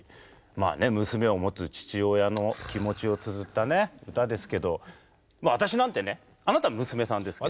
まあね娘を持つ父親の気持ちをつづった歌ですけどまあ私なんてねあなた娘さんですけど。